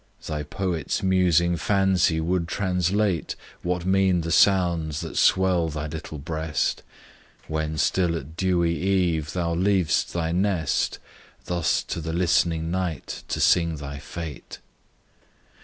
Thy poet's musing fancy would translate What mean the sounds that swell thy little breast, When still at dewy eve thou leav'st thy nest, Thus to the listening night to sing thy fate?